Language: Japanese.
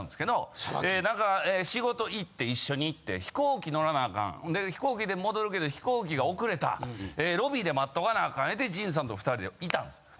仕事行って一緒に行って飛行機乗らなアカンんで飛行機で戻るけど飛行機が遅れたロビーで待っとかなアカン言うて陣さんと２人でいたんすよ。